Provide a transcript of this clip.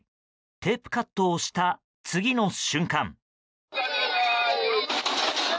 テープカットをした次の瞬間。